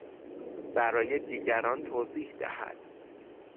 برای دیگران توضیح دهد